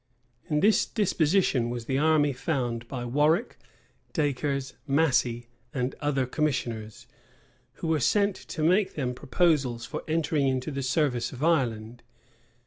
In this disposition was the army found by Warwick, Dacres, Massey, and other commissioners, who were sent to make them proposals for entering into the service of Ireland.